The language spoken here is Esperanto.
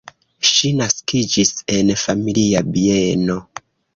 Ŝi naskiĝis en familia bieno.